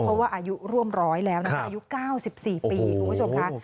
เพราะว่าอายุร่วมร้อยแล้วนะคะอายุ๙๔ปีคุณผู้ชมค่ะ